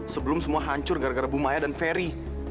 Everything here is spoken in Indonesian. sebelum semua hancur gara gara bumaya dan ferry